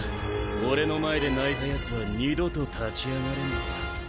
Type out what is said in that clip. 俺の前で泣いたヤツは二度と立ち上がれねえと。